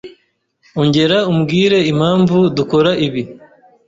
Ongera umbwire impamvu dukora ibi.